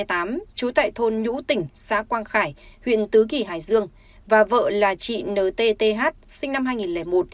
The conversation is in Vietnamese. trú tại thôn nhũ tỉnh xã quang khải huyện tứ kỳ hải dương và vợ là chị ntth th sinh năm hai nghìn một